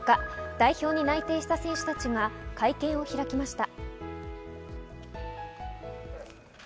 代表に内定した選手たちが会見を開きました。